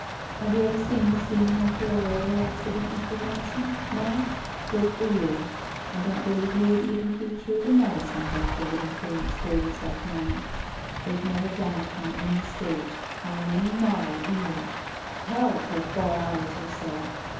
Have you ever seen the scene after a railway acci dent, Mr. Johnson? Xo? Good for you! I don't believe you would even keep true to Melisande after living through an experience like mine. They've never done it on any stage, or in any novel, either. Hell for four hours or so!